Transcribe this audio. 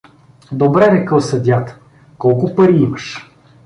— Добре — рекъл съдията, — колко пари имаш?